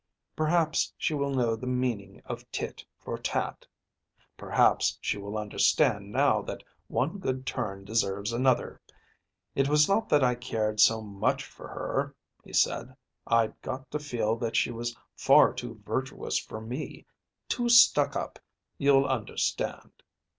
"Perhaps she will know the meaning of tit for tat. Perhaps she will understand now that one good turn deserves another. It was not that I cared so much for her," he said. "I'd got to feel that she was far too virtuous for me, too stuck up, you'll understand.